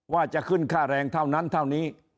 ว่าจะขึ้นค่าแรงเท่านั้นเท่านี้